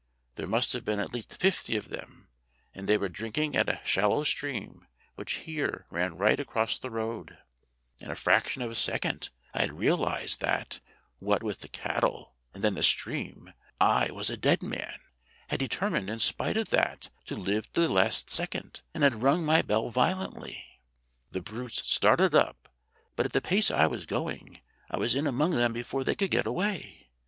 There must have been at least fifty of them, and they were drinking at a shal low stream which here ran right across the road. In a FAILURE OF PROFESSOR PALBECK 55 fraction of a second I had realized that, what with the cattle and then the stream, I was a dead man, had determined in spite of that to live to the last second, and had rung my bell violently. The brutes started up, but at the pace I was going I was in among them before they could get away.